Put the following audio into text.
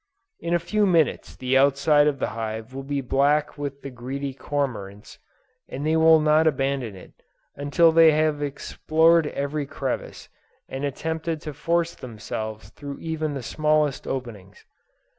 In a few minutes the outside of the hive will be black with the greedy cormorants, and they will not abandon it, until they have explored every crevice, and attempted to force themselves through even the smallest openings.